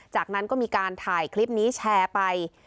จากนั้นก็มีการถ่ายคลิปนี้แชร์ไป